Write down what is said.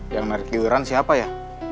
yang narik hiruran siapa ya